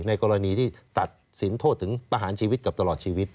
กรณีที่ตัดสินโทษถึงประหารชีวิตกับตลอดชีวิต